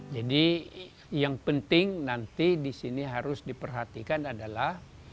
jadi yang penting nanti disini harus diperhatikan adalah